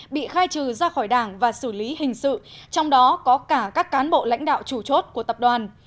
bị khai trừ ra khỏi đảng và xử lý hình sự trong đó có cả các cán bộ lãnh đạo chủ chốt của tập đoàn